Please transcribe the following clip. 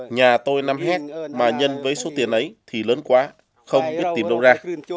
nhà tôi năm hectare mà nhân với số tiền ấy thì lớn quá không biết tìm đâu ra